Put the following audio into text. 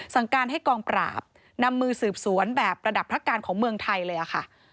สั่งการให้กองปราบนำมือสืบสวนแบบระดับพระการของเมืองไทยเลยค่ะ